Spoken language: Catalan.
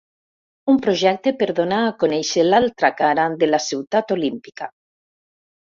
Un projecte per donar a conèixer l’altra cara de la ciutat olímpica.